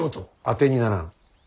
当てにならん。